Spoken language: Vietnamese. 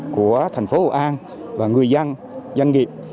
của thành phố hội an và người dân doanh nghiệp